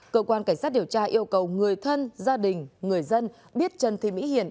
cơ quan cảnh sát điều tra yêu cầu người thân gia đình người dân biết trần thị mỹ hiền